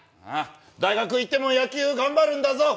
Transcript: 大学行っても野球、頑張るんだぞ。